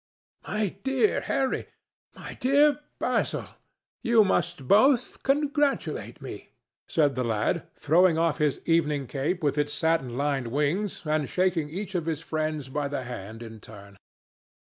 "My dear Harry, my dear Basil, you must both congratulate me!" said the lad, throwing off his evening cape with its satin lined wings and shaking each of his friends by the hand in turn.